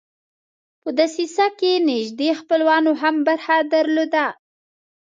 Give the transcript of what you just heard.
په دسیسه کې نیژدې خپلوانو هم برخه درلوده.